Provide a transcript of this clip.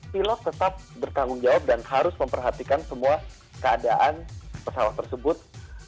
pilot tetap bertanggung jawab dan harus memperhatikan semua keadaan pesawat tersebut